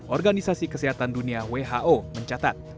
organisasi kesehatan dunia mencatat